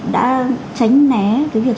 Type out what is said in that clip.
đã tránh né cái việc